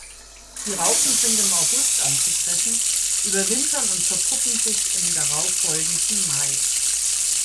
Die Raupen sind im August anzutreffen, überwintern und verpuppen sich im darauffolgenden Mai.